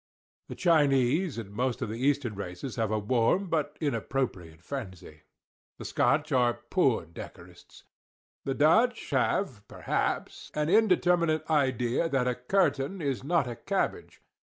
The Chinese and most of the eastern races have a warm but inappropriate fancy. The Scotch are _poor _decorists. The Dutch have, perhaps, an indeterminate idea that a curtain is not a cabbage.